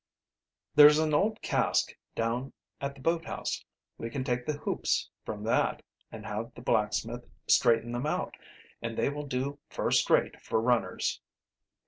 "There is an old cask down at the boathouse. We can take the hoops from that and have the blacksmith straighten them out, and they will do first rate for runners."